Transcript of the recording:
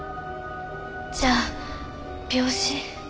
じゃあ病死？